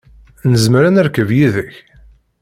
Nezmer ad nerkeb yid-k?